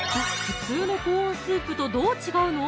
普通のコーンスープとどう違うの？